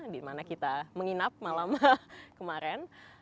di mana kita menginap malam kemarin